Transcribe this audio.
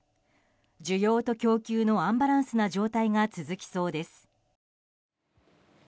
需要と供給のアンバランスな状態が続きそうです。